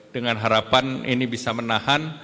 dengan harapan ini bisa menahan